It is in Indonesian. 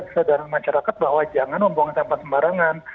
kesadaran masyarakat bahwa jangan membuang sampah sembarangan